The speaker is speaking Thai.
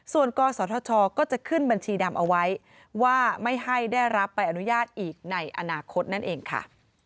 ส่วนกศธชก็จะขึ้นบัญชีดำเอาไว้ว่าไม่ให้ได้รับใบอนุญาตอีกในอนาคตนั่นเองค่ะ